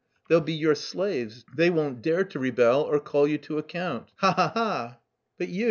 They'll be your slaves, they won't dare to rebel or call you to account. Ha ha ha!" "But you...